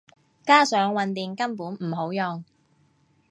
加上混電根本唔好用